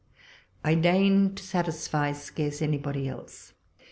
I deign to satisfy scarce anybody else.